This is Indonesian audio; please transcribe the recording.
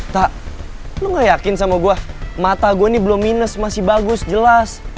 tak lu gak yakin sama gue mata gue ini belum minus masih bagus jelas